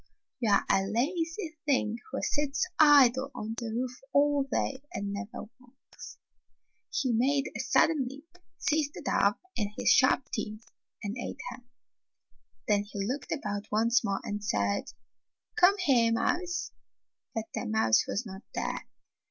You are a lazy thing who sits idle on the roof all day and never works." He made a sudden leap, seized the dove in his sharp teeth and ate her. Then he looked about once more and said, "Come here, mouse." But the mouse was not there.